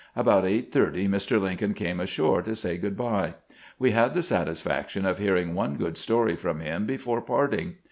About 8 : 30 Mr. Lin coln came ashore to say good by. We had the satisfac tion of hearing one good story from him before parting.